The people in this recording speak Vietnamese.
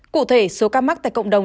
cụ thể số ca mắc tại cộng đồng